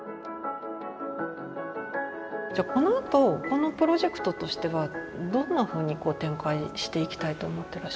じゃあこのあとこのプロジェクトとしてはどんなふうにこう展開していきたいと思っていらっしゃいますか？